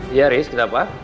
iya riz kenapa